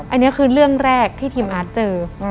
อันนี้คือเรื่องแรกที่ทีมอาร์ตเจอ